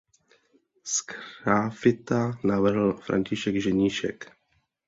Sgrafita navrhl František Ženíšek.